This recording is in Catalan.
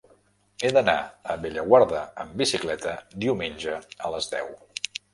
He d'anar a Bellaguarda amb bicicleta diumenge a les deu.